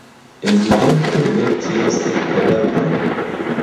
Evidente ne ties kadavron.